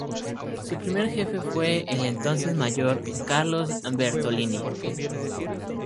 Su primer jefe fue el entonces mayor Carlos Bertolini.